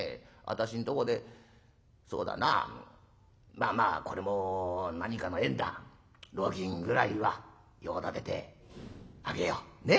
私んとこでそうだなまあまあこれも何かの縁だ路銀ぐらいは用立ててあげよう。ね？